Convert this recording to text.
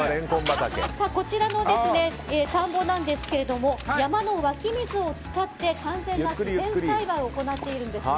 こちらの田んぼなんですが山の湧き水を使って完全な自然栽培を行っているんですね。